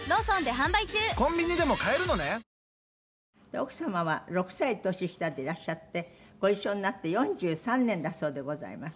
奥様は６歳年下でいらっしゃってご一緒になって４３年だそうでございます。